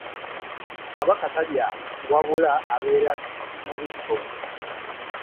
Kabaka talya wabula abeera mu bibbo.